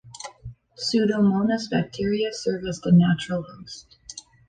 Pseudomonas bacteria serve as the natural host.